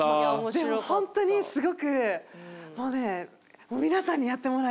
でもほんとにすごくもうねもう皆さんにやってもらいたいぐらい。